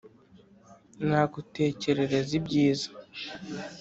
nagutekerereza ibyiza